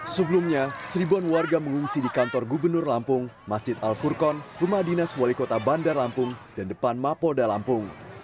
sebelumnya seribuan warga mengungsi di kantor gubernur lampung masjid al furkon rumah dinas wali kota bandar lampung dan depan mapolda lampung